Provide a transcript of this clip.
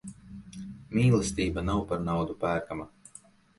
Mīlestība nav par naudu pērkama.